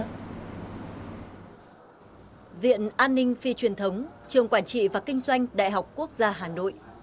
viện an ninh phi truyền thống trường quản trị và kinh doanh đại học quốc gia hà nội